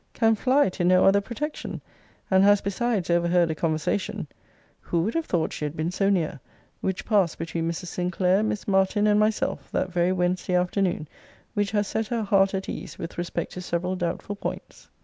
Can fly to no other protection. And has, besides, overheard a conversation [who would have thought she had been so near?] which passed between Mrs. Sinclair, Miss Martin, and myself, that very Wednesday afternoon; which has set her heart at ease with respect to several doubtful points.